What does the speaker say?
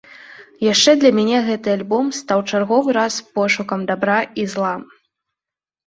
Яшчэ для мяне гэты альбом стаў чарговы раз пошукам дабра і зла.